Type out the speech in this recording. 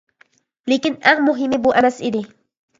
لېكىن ئەڭ مۇھىمى بۇ ئەمەس ئىدى.